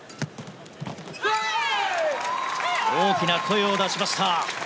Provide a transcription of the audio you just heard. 大きな声を出しました。